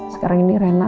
sekarang ini rena